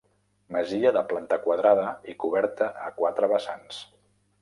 Masia de planta quadrada i coberta a quatre vessants.